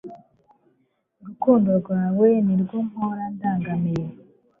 urukundo rwawe ni rwo mpora ndangamiye